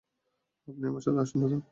আপনি, আমার সাথে আসুন, দাদা।